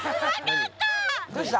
どうした？